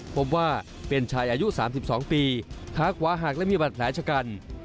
พบว่าเป็นชายอายุสามสิบสองปีท้าขวาหากและมีบันแผลฉกัน